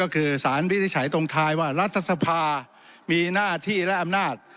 ก็คือสารวินิจฉัยตรงทายว่ารัฐสภามีหน้าที่และอำนาจ